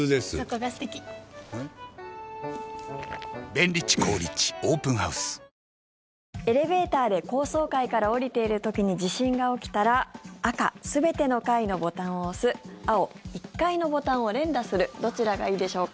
缶コーヒーの「ＢＯＳＳ」エレベーターで高層階から降りている時に地震が起きたら赤、全ての階のボタンを押す青、１階のボタンを連打するどちらがいいでしょうか？